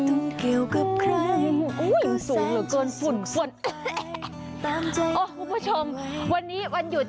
อืมอุ้ยสูงเหรอเกินฝุ่นพวนอ๋อพวกผู้ชมวันนี้วันหยุด